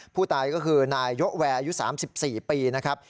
ผู้ตายก็คือนายยกแวร์อายุ๓๔ปีนะครับ